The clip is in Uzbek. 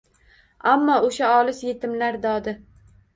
Ammo o‘sha olis — yetimlar dodi